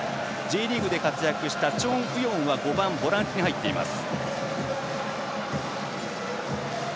Ｊリーグで活躍したチョン・ウヨンは５番ボランチに入っています。